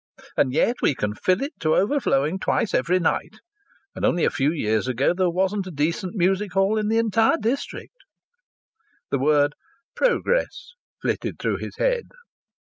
And yet we can fill it to overflowing twice every night! And only a few years ago there wasn't a decent music hall in the entire district!" The word "Progress" flitted through his head.